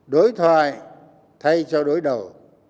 đối thoại thay cho đối đầu